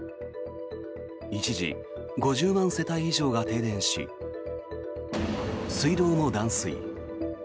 一時、５０万世帯以上が停電し水道も断水。